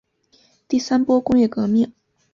第三波工业革命